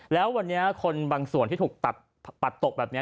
แล้ววันนี้คนบางส่วนที่ถูกตัดตกแบบนี้